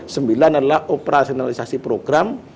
sembilan adalah operasionalisasi program